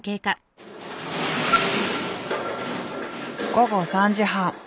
午後３時半。